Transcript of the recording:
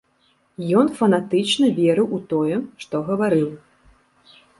Ён фанатычна верыў у тое, што гаварыў.